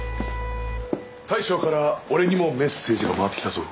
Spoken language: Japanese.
大将から俺にもメッセージが回ってきたぞ。